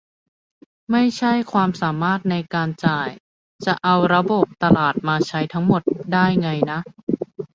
ไม่ใช่ความสามารถในการจ่าย จะเอาระบบตลาดมาใช้ทั้งหมดได้ไงนะ